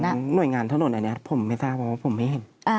หน่วยงานถนนอันนี้ผมไม่ทราบเพราะว่าผมไม่เห็น